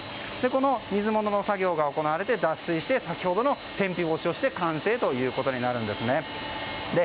この水元の作業が行われて脱水して先ほどの天日干しをして完成となります。